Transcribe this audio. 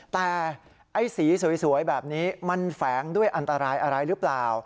แต่ไอ้สีสวยแบบนี้มันแฝงด้วยอันตรายอะไรหรือเปล่า